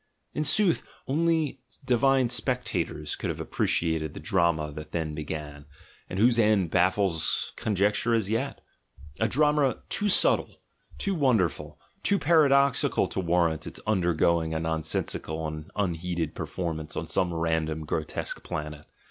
In sooth, only divine spectators could have appreciated the drama that then began, and whose end baffles conjecture as yet — a drama too subtle, too wonderful, too paradox ical to warrant its undergoing a nonsensical and unheeded performance on some random grotesque planet!